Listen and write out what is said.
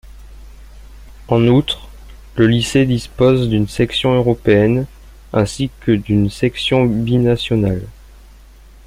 En outre, le lycée dispose d'une section européenne, ainsi que d'une section binationale.